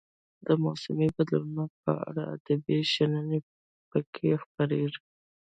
د موسمي بدلونونو په اړه ادبي شننې پکې خپریږي.